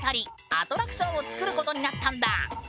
アトラクションを作ることになったんだ。